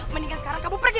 mendingan sekarang kamu pergi